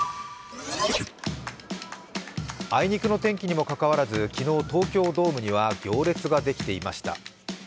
あいにくの天気にもかかわらず昨日、東京ドームには行列ができていました。